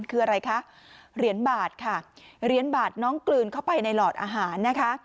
คืออะไรคะเหรียญบาทค่ะเหรียญบาทน้องกลืนเข้าไปในหลอดอาหารนะคะ